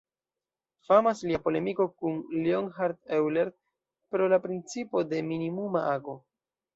Famas lia polemiko kun Leonhard Euler pro la principo de minimuma ago.